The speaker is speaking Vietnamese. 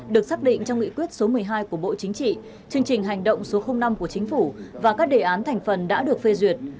được xác định trong nghị quyết số một mươi hai của bộ chính trị chương trình hành động số năm của chính phủ và các đề án thành phần đã được phê duyệt